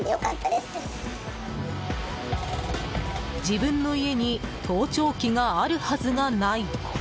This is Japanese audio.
自分の家に盗聴器があるはずがない。